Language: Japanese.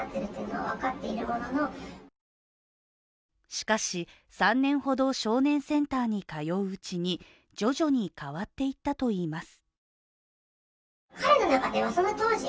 しかし３年ほど少年センターに通ううちに徐々に変わっていったといいます。